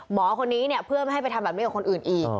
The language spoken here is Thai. หมอคนนี้เนี่ยเพื่อไม่ให้ไปทำแบบนี้กับคนอื่นอีก